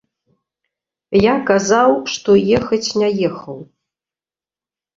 Я казаў, што ехаць не ехаў.